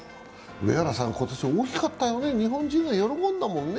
今年大きかったよね、日本人、喜んだもんね。